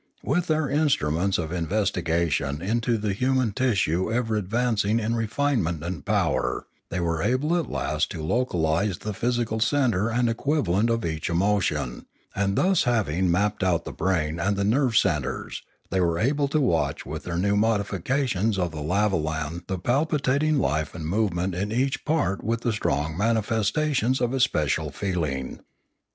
With their instruments of in vestigation into the human tissue ever advancing in refinement and power, they were able at last to local ise the physical centre and equivalent of each emo tion ; and thus having mapped out the brain and the nerve centres, they were able to watch with their new modifications of the lavolan the palpitating life and movement in each part with the strong manifestations of its special feeling.